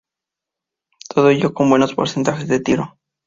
Todo ello con buenos porcentajes de tiro.